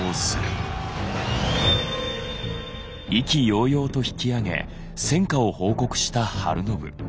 意気揚々と引き揚げ戦果を報告した晴信。